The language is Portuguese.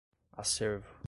acervo